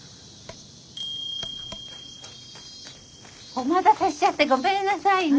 お待たせしちゃってごめんなさいね。